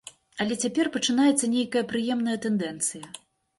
Але цяпер пачынаецца нейкая прыемная тэндэнцыя.